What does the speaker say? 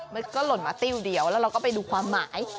มันก็หล่นมาติ้วเดียวแล้วเราก็ไปดูความหมาย